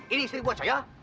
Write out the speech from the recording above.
ini istri buat saya